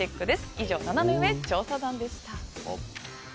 以上、ナナメ上調査団でした。